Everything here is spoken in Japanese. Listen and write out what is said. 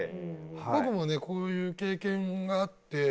僕もねこういう経験があって。